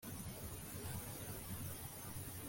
byo kubaho byari byashize Henry yabonye ntamwitayeho